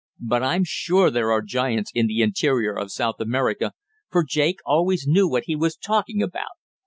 "But I'm sure there are giants in the interior of South America, for Jake always knew what he was talking about.